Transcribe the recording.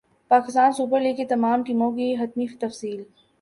Pakistan Super League کی تمام ٹیموں کی حتمی تفصیل